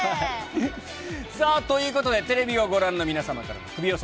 さあ、ということで、テレビをご覧の皆様からのクビ予想。